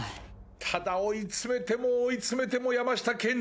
ただ追い詰めても追い詰めても山下健二がね